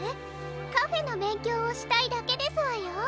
カフェのべんきょうをしたいだけですわよ。